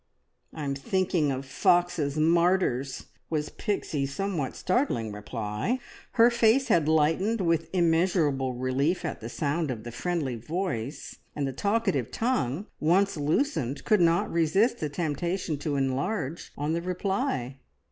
"I'm thinking of Foxe's martyrs!" was Pixie's somewhat startling reply. Her face had lightened with immeasurable relief at the sound of the friendly voice, and the talkative tongue once loosened could not resist the temptation to enlarge on the reply.